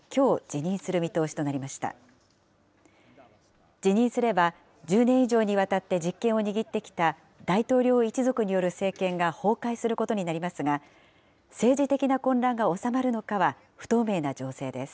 辞任すれば、１０年以上にわたって実権を握ってきた大統領一族による政権が崩壊することになりますが、政治的な混乱が収まるのかは不透明な情勢です。